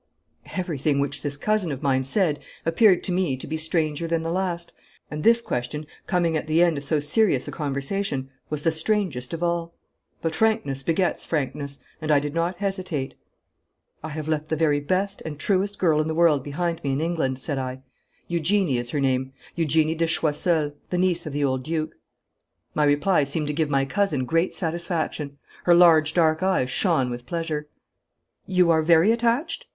Everything which this cousin of mine said appeared to me to be stranger than the last, and this question, coming at the end of so serious a conversation, was the strangest of all. But frankness begets frankness, and I did not hesitate. 'I have left the very best and truest girl in the world behind me in England,' said I. 'Eugenie is her name, Eugenie de Choiseul, the niece of the old Duke.' My reply seemed to give my cousin great satisfaction. Her large dark eyes shone with pleasure. 'You are very attached?'